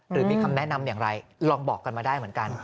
หรือมีคำแนะนำอย่างไรลองบอกกันมาได้เหมือนกัน